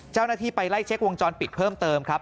เจ้าหน้าที่ไปไล่เช็ควงจรปิดเพิ่มเติมครับ